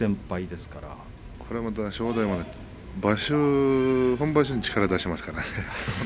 正代は本場所で力を出しますからね。